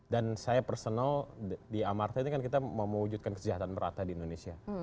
dan saya personal di amartya ini kan kita mau mewujudkan kesejahteraan berata di indonesia